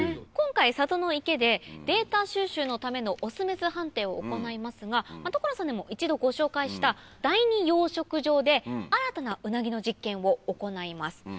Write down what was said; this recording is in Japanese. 今回里の池でデータ収集のためのオス・メス判定を行いますが所さんにも一度ご紹介した第２養殖場で新たなウナギの実験を行います。